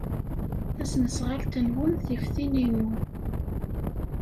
Tasnasɣalt-nwen tif tin-inu.